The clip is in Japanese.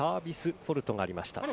フォルトがありました。